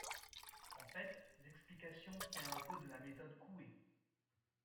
En fait, l’explication tient un peu de la méthode Coué.